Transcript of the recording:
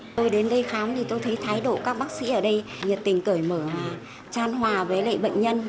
tôi đến đây khám thì tôi thấy thái độ các bác sĩ ở đây nhiệt tình cởi mở tràn hòa với lại bệnh nhân